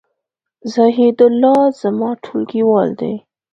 زاهیدالله زما ټولګیوال دی